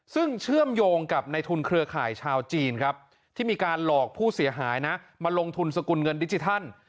ซึ่งเชื่อมโยงกับในทุนเครือข่ายชาวจีนครับที่มีการหลอกผู้เสียหายนะมาลงทุนสกุลเงินดิจิทัล